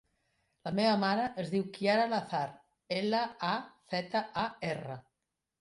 La meva mare es diu Chiara Lazar: ela, a, zeta, a, erra.